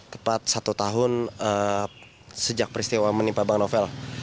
tepat satu tahun sejak peristiwa menimpa bang novel